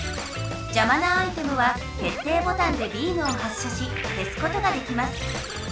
じゃまなアイテムは決定ボタンでビームをはっしゃしけすことができます。